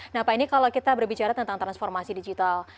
nah pak ini kalau kita berbicara tentang transformasi digital